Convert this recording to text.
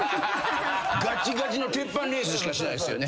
ガチガチの鉄板レースしかしないっすよね。